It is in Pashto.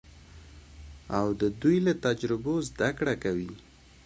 او د دوی له تجربو زده کړه کوي.